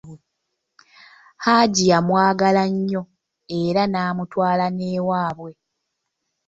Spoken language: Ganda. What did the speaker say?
Hajji yamwagala nnyo era n'amutwala n'ewabwe.